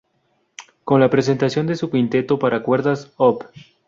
Con la presentación de su "Quinteto para cuerdas op.